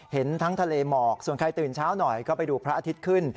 เห็นทั้งทะเลหมอกส่วนใครตื่นเช้าหน่อยก็ไปดูพระอาทิตย์ขึ้น